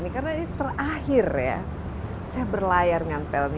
karena ini terakhir ya saya berlayar dengan pelmi